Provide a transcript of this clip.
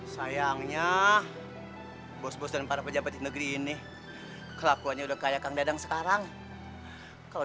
sayangnya bos bos dan para pejabat di negeri ini kelakuannya udah kayak kang dadang sekarang kalau